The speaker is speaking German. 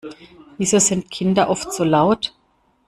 Wieso sind Kinder oft so laut?